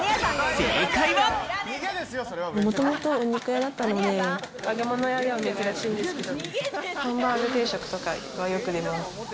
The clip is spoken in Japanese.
もともとお肉屋だったので、揚げ物屋では珍しいんですけど、ハンバーグ定食とかはよく出ます。